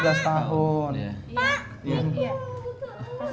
pak ini gue